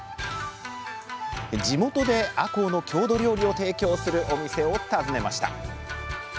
地元であこうの郷土料理を提供するお店を訪ねました。